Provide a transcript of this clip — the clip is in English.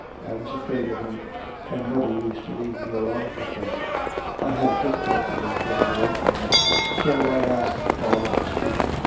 I was afraid of him, and mother used to leave me alone with him. I had difficulty in getting away from him, so I asked father to speak.